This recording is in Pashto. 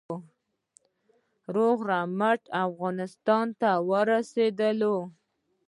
روغ رمټ افغانستان ته ورسېدلو.